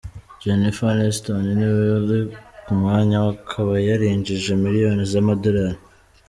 Jennifer Aniston, niwe uri ku mwanya wa akaba yarinjije miliyoni z’amadolari.